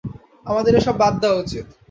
আমাদের এসব বাদ দেওয়া উচিত।